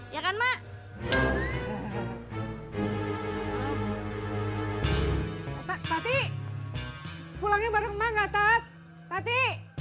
ya kan mak tapi pulangnya bareng mbak tati tati